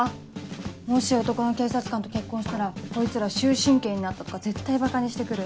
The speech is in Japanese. もし男の警察官と結婚したらこいつら終身刑になったとか絶対ばかにして来る。